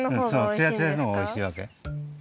そうツヤツヤのほうがおいしいわけ。